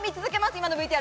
今のＶＴＲ。